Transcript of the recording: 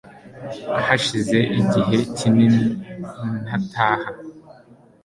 hashize igihe kini ntataha